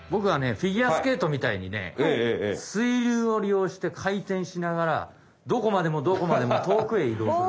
フィギュアスケートみたいにねすいりゅうをりようしてかいてんしながらどこまでもどこまでもとおくへいどうする。